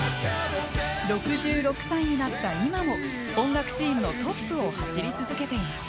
６６歳になった今も音楽シーンのトップを走り続けています。